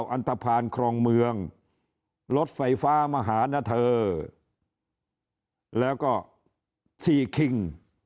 ๒๔๙๙อันทภาณคลองเมืองรถไฟฟ้ามหานทะเถอแล้วก็สี่คิง